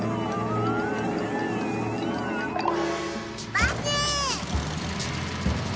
バス。